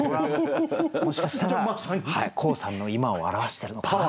もしかしたら黄さんの今を表してるのかなという。